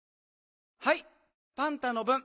はいパンタのぶん。